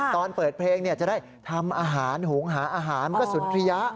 ตอนเปิดเพลงจะได้ทำอาหารหุงหาอาหารกระสุนทริยะ